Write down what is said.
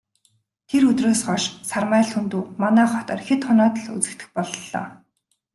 Тэр өдрөөс хойш Сармай Лхүндэв манай хотоор хэд хоноод л үзэгдэх боллоо.